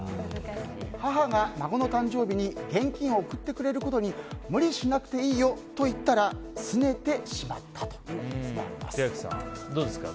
母が孫の誕生日に現金を送ってくれることに無理しなくていいよと言ったらすねてしまったという千秋さん、どうですか？